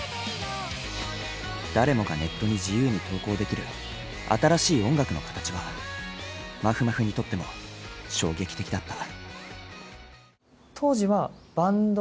誰もがネットに自由に投稿できる新しい音楽の形はまふまふにとっても衝撃的だった。